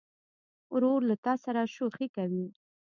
ورور له تا سره شوخي کوي.